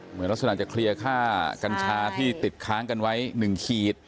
เหมือนลักษณะจะเคลียร์ค่ากัญชาที่ติดค้างกันไว้๑ขีด